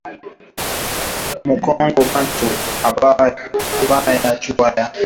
Mu kongo bantu abaya juwa ma haki yabo